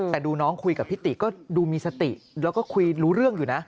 แต่ดูน้องคุยกับพี่ติก็ดูมีสติแล้วก็คุยรู้เรื่องอยู่นะ